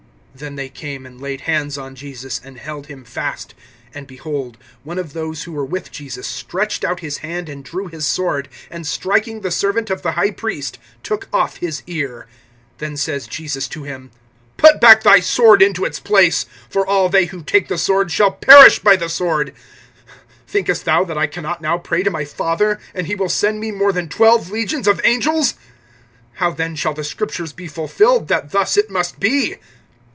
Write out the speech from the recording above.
Then they came, and laid hands on Jesus, and held him fast. (51)And, behold, one of those who were with Jesus stretched out his hand and drew his sword, and striking the servant of the high priest took off his ear. (52)Then says Jesus to him: Put back thy sword into its place; for all they who take the sword shall perish with the sword. (53)Thinkest thou that I can not now pray to my Father, and he will send[26:53] me more than twelve legions of angels? (54)How then shall the Scriptures be fulfilled, that thus it must be?